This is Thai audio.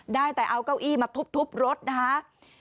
ได้แต่เอาเก้าอี้มาทุบรถนะคะ